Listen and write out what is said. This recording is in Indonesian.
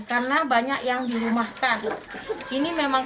karena banyak yang dirumahkan ini memang